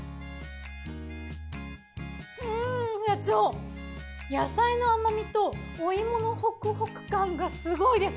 うん社長野菜の甘みとお芋のホクホク感がすごいです。